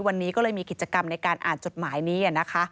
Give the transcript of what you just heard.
วันนี้ก็เลยมีกิจกรรมในการอ่านจดหมายนี้นะคะ